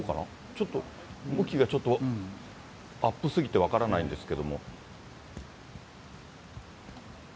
ちょっと向きがちょっと、アップすぎて分からないんですが。